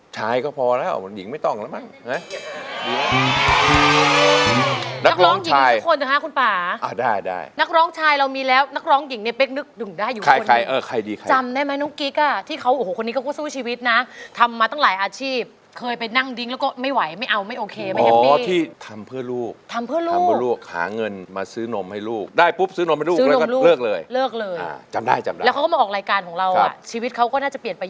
เจอเขาหลายทีแล้วไม่ชินเขาทั้งที